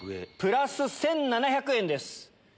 プラス１７００円です。